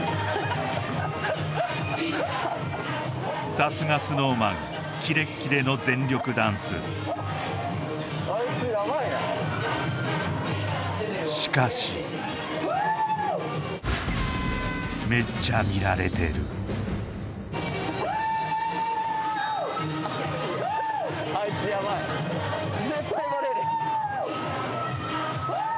さすがＳｎｏｗＭａｎキレッキレの全力ダンスしかしめっちゃ見られてるフォー！